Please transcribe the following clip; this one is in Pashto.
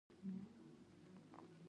یو سل او یوولسمه پوښتنه د انتظار تعریف دی.